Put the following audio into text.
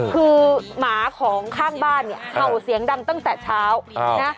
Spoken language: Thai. คือหมาของข้างบ้านเนี่ยเห่าเสียงดังตั้งแต่เช้านะ